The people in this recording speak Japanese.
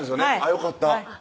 よかった